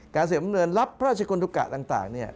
การเศรษฐ์บำเนินรับพระราชกรณุกะต่าง